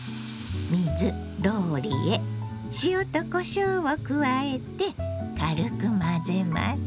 水ローリエ塩とこしょうを加えて軽く混ぜます。